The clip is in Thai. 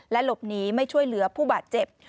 หลบหนีไม่ช่วยเหลือผู้บาดเจ็บ